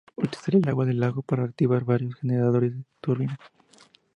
Utiliza el agua del lago para activar varios generadores de turbina.